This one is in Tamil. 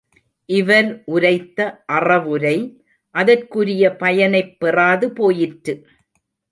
இவர் உரைத்த அறவுரை அதற்குரிய பயனைப் பெறாது போயிற்று.